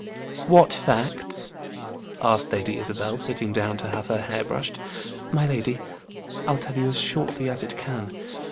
"What facts?" asked Lady Isabel, sitting down to have her hair brushed. "My lady, I'll tell you as shortly as it can.